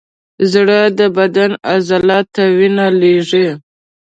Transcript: زړه د بدن عضلاتو ته وینه لیږي.